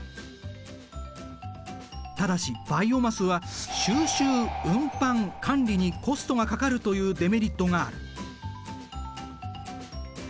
ただしバイオマスは収集・運搬・管理にコストがかかるというデメリットがある。